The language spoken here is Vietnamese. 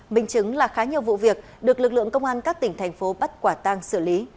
mình chứng là khá nhiều vụ việc được lực lượng công an các tỉnh thành phố bắt quả tang xử lý